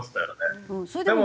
それでも。